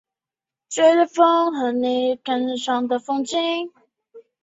阿根廷是一个总统制和联邦制民主共和国。